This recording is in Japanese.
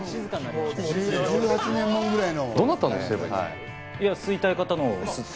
１８年ものぐらいの。